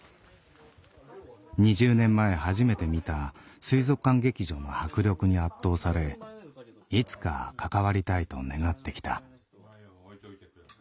２０年前初めて見た水族館劇場の迫力に圧倒されいつか関わりたいと願ってきた。